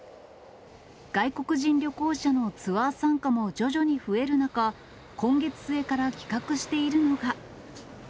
外国人旅行者のツアー参加も徐々に増える中、今月末から企画しているのが。